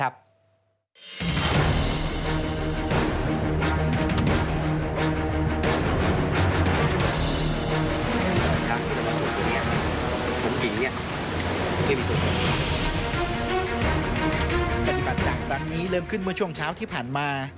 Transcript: ปฏิบัติจากครั้งนี้เริ่มขึ้นเมื่อช่วงเช้าที่ผ่านมา